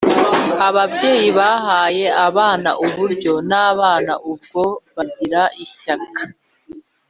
ababyeyi bahaye abana uburyo, n’abana ubwabo bagize ishyaka